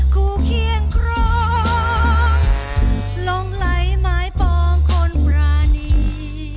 เคียงครองลงไหลไม้ปองคนปรานี